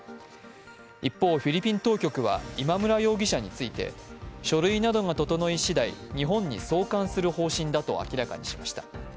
一方、フィリピン当局は今村容疑者について書類などが整い次第、日本に送還する方針だと明らかにしました。